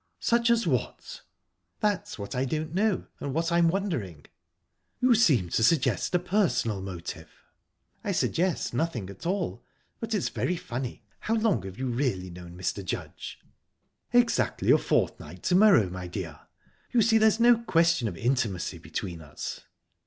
"Such as what?" "That's what I don't know, and what I am wondering." "You seem to suggest a personal motive?" "I suggest nothing at all, but it's very funny...How long have you really known Mr. Judge?" "Exactly a fortnight to morrow, my dear. You see, there's no question of intimacy between us."